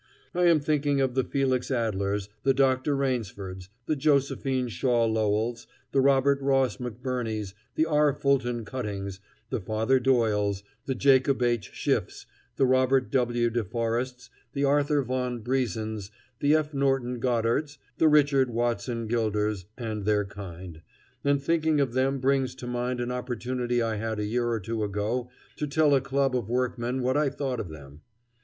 I am thinking of the Felix Adlers, the Dr. Rainsfords, the Josephine Shaw Lowells, the Robert Ross McBurneys, the R. Fulton Cuttings, the Father Doyles, the Jacob H. Schiffs, the Robert W. de Forests, the Arthur von Briesens, the F. Norton Goddards, the Richard Watson Gilders, and their kind; and thinking of them brings to mind an opportunity I had a year or two ago to tell a club of workmen what I thought of them.